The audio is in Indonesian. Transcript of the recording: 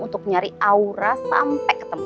untuk nyari aura sampai ketemu